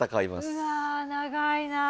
うわ長いな。